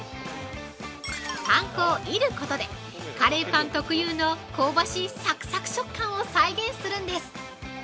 ◆パン粉をいることで、カレーパン特有の香ばしいサクサク食感を再現するんです。